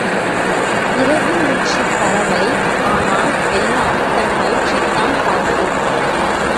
இறகு முற்றிப் பறவை ஆனால் எல்லாம் தன் வயிற்றைத்தான் பார்க்கும்.